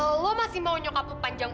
harusnya tempat untuk warung warung